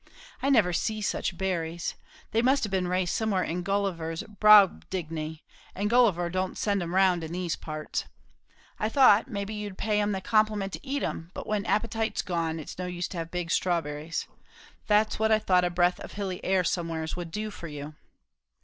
"I never see such berries. They must have been raised somewhere in Gulliver's Brobdignay; and Gulliver don't send 'em round in these parts. I thought, maybe you'd pay 'em the compliment to eat 'em; but when appetite's gone, it's no use to have big strawberries. That's what I thought a breath of hilly air somewheres would do for you."